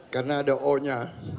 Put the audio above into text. karena ada o nya